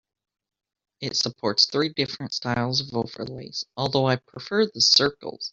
It supports three different styles of overlays, although I prefer the circles.